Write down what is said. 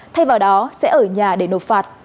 thay vào đó sẽ ở nhà để nộp phạt